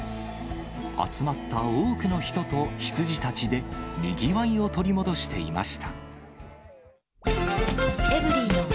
集まった多くの人とヒツジたちでにぎわいを取り戻していました。